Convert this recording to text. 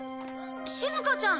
しずかちゃん。